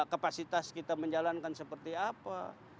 kapasitas kita menjalankan seperti apa